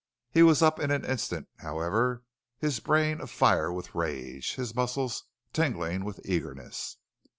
He was up in an instant, however, his brain afire with rage, his muscles tingling with eagerness.